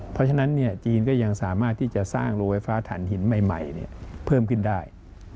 เพราะฉะนั้นจีนก็ยังสามารถที่จะสร้างโรงไฟฟ้าฐานหินใหม่เพิ่มขึ้นได้